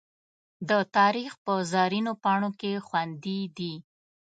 د تاریخ په زرینو پاڼو کې خوندي دي.